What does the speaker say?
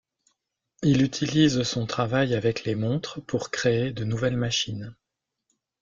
Il utilise son travail avec les montres pour créer de nouvelles machines.